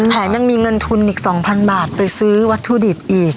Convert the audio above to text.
แถมยังมีเงินทุนอีก๒๐๐๐บาทไปซื้อวัตถุดิบอีก